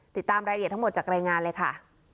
ติดตามรายละเอียดทั้งหมดจากรายงานเลยค่ะ